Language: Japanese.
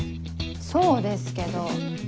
そうですけど。